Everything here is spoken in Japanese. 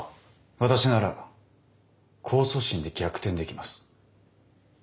私なら控訴審で逆転できます。